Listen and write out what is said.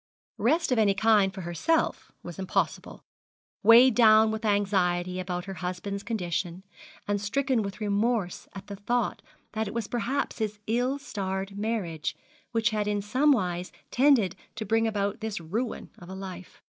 Rest of any kind for herself was impossible, weighed down with anxiety about her husband's condition, and stricken with remorse at the thought that it was perhaps his ill starred marriage which had in some wise tended to bring about this ruin of a life.